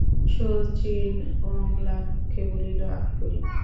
শচীশ অম্লান মুখে বলিল, আমি কবি।